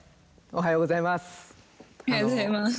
おはようございます。